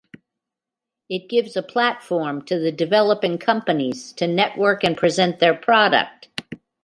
It gives a platform to the developing companies to network and present their product.